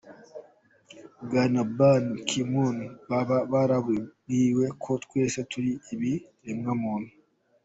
Bwana Ban Ki Moon, baba barababwiye ko twese turi ibiremwamuntu?.